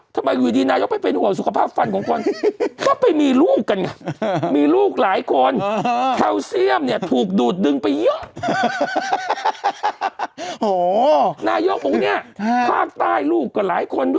ทำไมอยู่ดีนายกไปเป็นห่วงสุขภาพฟัน๔๑๐๐๐๐๐